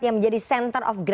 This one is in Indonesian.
yang menjadi center of grow